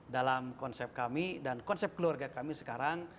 dalam konsep kami dan konsep keluarga kami sekarang